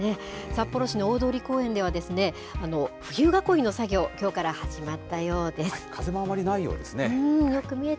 札幌市の大通公園では、冬囲いの作業、きょうから始まったようで風もあまりないようですね。